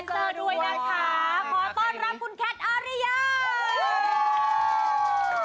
ขอต้อนรับคุณแคทอาเรยา